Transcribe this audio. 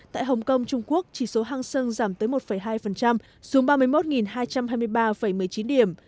tại hồng kông trung quốc chỉ số hang sân giảm tới một hai xuống ba mươi một hai trăm hai mươi ba một mươi chín điểm